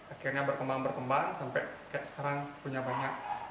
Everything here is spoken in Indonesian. akhirnya berkembang berkembang sampai kayak sekarang punya banyak